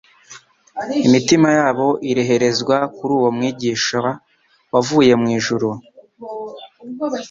Imitima yabo ireherezwa kuri uwo Mwigisha wavuye mu ijuru.